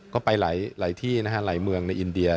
ก็ไปหลายที่นะฮะหลายเมืองในอินเดีย